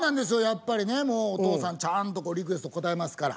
やっぱりねもうお父さんちゃんとリクエスト応えますから。